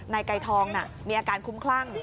นายไกรทองมีอาการคุ้มคลั่ง